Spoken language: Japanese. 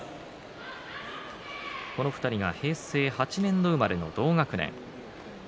この２人が平成８年度生まれの同学年。